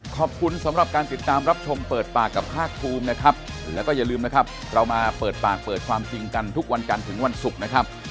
ขอบคุณสำหรับการติดตามรับชมเปิดปากกับภาคภูมินะครับแล้วก็อย่าลืมนะครับเรามาเปิดปากเปิดความจริงกันทุกวันกันถึงวันศุกร์นะครับ